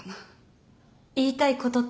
言いたいことって？